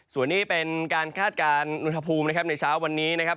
ส่วนนี้เป็นการคาดการณ์อุณหภูมินะครับในเช้าวันนี้นะครับ